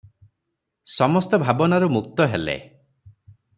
ସମସ୍ତ ଭାବନାରୁ ମୁକ୍ତ ହେଲେ ।